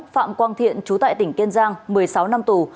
phạm quang thiện chú tại tỉnh kiên giang một mươi sáu năm tù